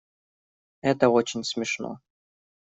Это очень смешно.